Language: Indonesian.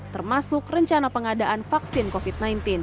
termasuk rencana pengadaan vaksin covid sembilan belas